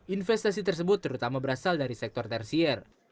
investasi tersebut terutama berasal dari sektor tersier